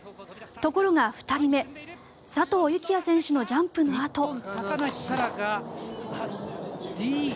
ところが２人目佐藤幸椰選手のジャンプのあと。